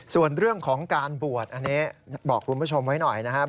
ส่วนเรื่องของการบวชอันนี้บอกคุณผู้ชมไว้หน่อยนะครับ